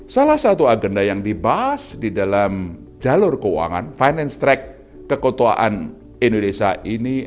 salah satu agenda yang dibahas di dalam jalur keuangan finance track keketuaan indonesia ini